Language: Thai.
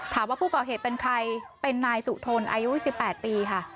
ถามว่าผู้ก่อเหตุเป็นใครเป็นนายสุทนอายุ๑๘ปีค่ะ